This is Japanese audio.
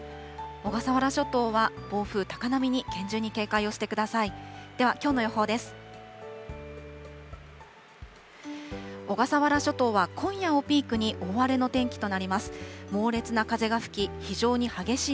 小笠原諸島は暴風、高波に厳重に警戒してください。